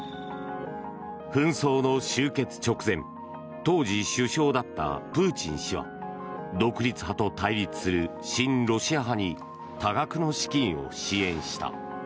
紛争の終結直前当時、首相だったプーチン氏は独立派と対立する親ロシア派に多額の資金を支援した。